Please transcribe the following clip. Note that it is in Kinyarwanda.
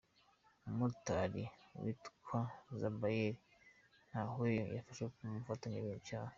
Umumotari witwa Zubair Tweheyo, yafashwe nk’umufatanyacyaha.